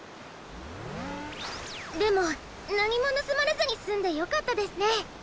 でもなにもぬすまれずにすんでよかったですね。